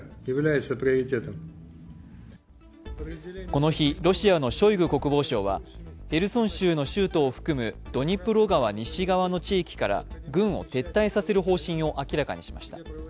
この日、ロシアのショイグ国防相は、ヘルソン州の州都を含むドニプロ川西側の地域から軍を撤退させる方針を明らかにしました。